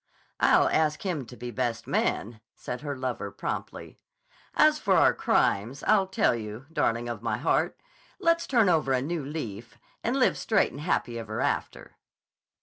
"I'll ask him to be best man," said her lover promptly. "As for our crimes, I'll tell you, darling of my heart; let's turn over a new leaf and live straight and happy ever after."